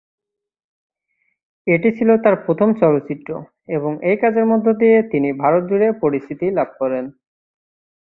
এটি ছিল তার প্রথম চলচ্চিত্র এবং এই কাজের মধ্য দিয়ে তিনি ভারত জুড়ে পরিচিতি লাভ করেন।